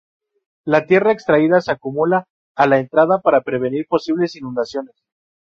La tierra extraída se acumula a la entrada, para prevenir posibles inundaciones.